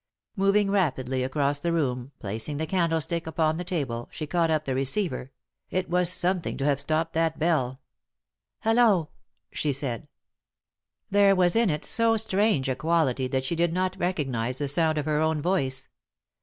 Moving rapidly across the room, placing the candlestick upon the table, she caught up the receiver — it was something to have stopped that bell. " Hullo 1 " she said. There was in it so strange a quality that she did not recognise the sound of her own voice.